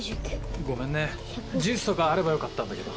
ごめんねジュースとかあればよかったんだけど。